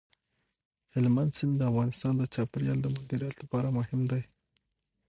هلمند سیند د افغانستان د چاپیریال د مدیریت لپاره مهم دی.